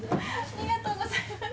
ありがとうございます。